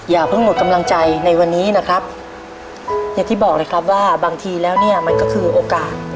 อย่างที่บอกเลยครับว่าบางทีแล้วเนี่ยมันก็คือโอกาส